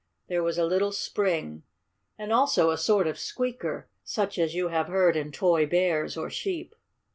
There was a little spring, and also a sort of squeaker, such as you have heard in toy bears or sheep.